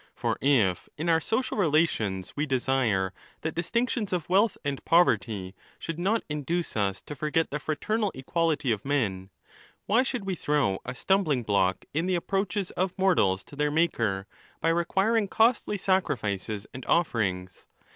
For if in our social relations we desire that dis tinctions of wealth and poverty should not induce us to forget the fraternal equality of men, why should we throw a stumb ling block in the approaches of mortals to their Maker, by requiring costly sacrifices and offerings.